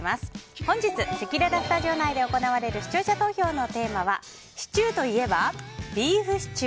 本日せきららスタジオ内で行われる視聴者投票のテーマはシチューといえばビーフシチュー？